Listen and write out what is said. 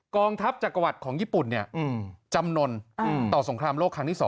กองทัพจักรวรรดิของญี่ปุ่นจำนวนต่อสงครามโลกครั้งที่๒